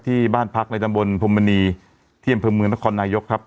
ก็บ้านพรรคในดังบนพมณีเที่ยงพลเมืองนครนายกครับ